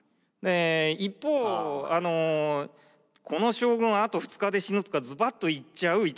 一方「この将軍はあと２日で死ぬ」とかズバッと言っちゃう伊東玄朴。